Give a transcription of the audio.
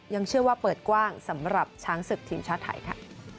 ยังเชื่อว่าเปิดกว้างสำหรับช้างศึกทีมชาติไทยค่ะ